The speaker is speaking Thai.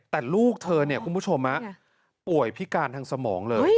แต่ลูกเธอเนี่ยคุณผู้ชมป่วยพิการทางสมองเลย